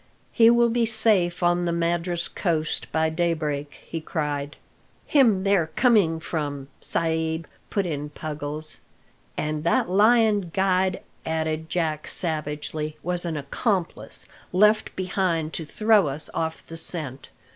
"He will be safe on the Madras coast by daybreak!" he cried. "Him there coming from, sa'b," put in Puggles. "And that lying guide," added Jack savagely, "was an accomplice, left behind to throw us off the scent.